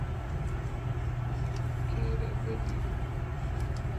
کھیرے وے دیجون۔